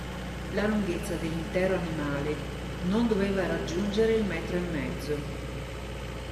La lunghezza dell'intero animale non doveva raggiungere il metro e mezzo.